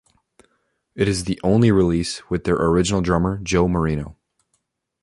It is the only release with their original drummer Joe Marino.